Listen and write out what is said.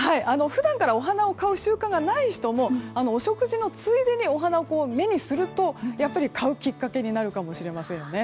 普段からお花を買う習慣がない人もお食事のついでにお花を目にするとやっぱり買うきっかけになるかもしれませんよね。